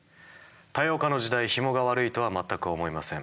多様化の時代ヒモが悪いとは全く思いません。